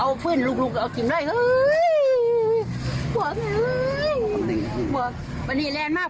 เอาพื่นลุกเอาจิตได้เฮ้ยหัวหนึ่ง